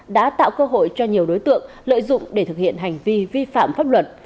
đã tạo cơ hội cho nhiều đối tượng lợi dụng để thực hiện hành vi vi phạm pháp luật